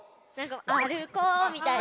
あるこうみたいな。